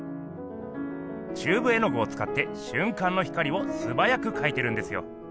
チューブ絵具をつかってしゅん間の光をすばやくかいてるんですよ。